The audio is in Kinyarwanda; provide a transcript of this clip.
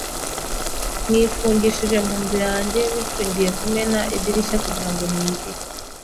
Nifungishije mu nzu yanjye, bityo ngiye kumena idirishya kugirango ninjire.